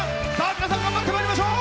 皆さん頑張ってまいりましょう！